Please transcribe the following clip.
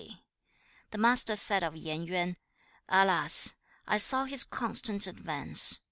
The Master said of Yen Yuan, 'Alas! I saw his constant advance.